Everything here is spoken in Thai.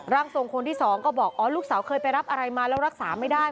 ร่างทรงคนที่สองก็บอกอ๋อลูกสาวเคยไปรับอะไรมาแล้วรักษาไม่ได้